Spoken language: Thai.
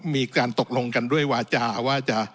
มีการตกลงกันด้วยวาจาว่าจะ